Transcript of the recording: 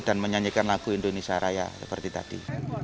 dan menyanyikan lagu indonesia raya seperti tadi